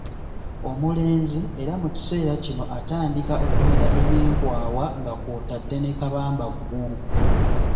Omulenzi era mu kiseera kino atandika okumera eby'enkwawa nga kw'otadde ne kabamba ggulu.